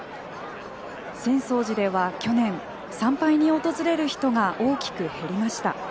浅草寺では去年参拝に訪れる人が大きく減りました。